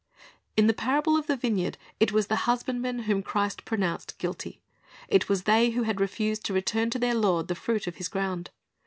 In the parable of the vineyard it was the husbandmen whom Christ pronounced guilty. It was they who had refused to return to their lord the fruit of his ground.